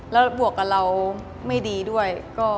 แล้วบวกกับเราไม่ดีด้วย